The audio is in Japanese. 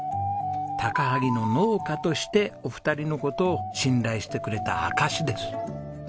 高萩の農家としてお二人の事を信頼してくれた証しです。